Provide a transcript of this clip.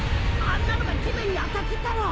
あんなのが地面に当たってたら。